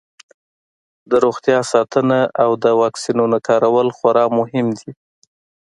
د روغتیا ساتنه او د واکسینونو کارول خورا مهم دي.